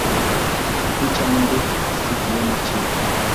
Kucha Mungu si kilemba cheupe